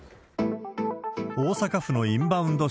大阪府のインバウンド